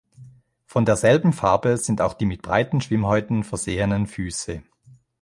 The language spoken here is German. Von derselben Farbe sind auch die mit breiten Schwimmhäuten versehenen Füße.